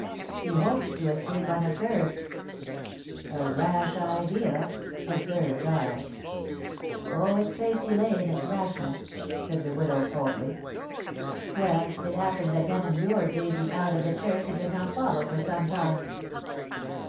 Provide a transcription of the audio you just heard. He hoped to escape unobserved." "A rash idea!" observed Giles. "Oh, its safety lay in its rashness," said the widow coldly. "Well, it happened that Denham lured Daisy out of the church and did not follow for some time.